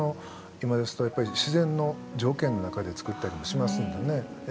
今ですと自然の条件の中で造ったりもしますんでね。